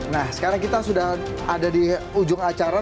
nah sekarang kita sudah ada di ujung acara